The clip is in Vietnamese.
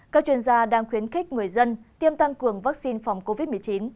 các chuyên gia đang khuyến khích người dân tiêm tăng cường vaccine phòng covid một mươi chín